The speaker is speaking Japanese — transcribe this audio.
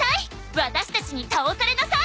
ワタシたちに倒されなさい！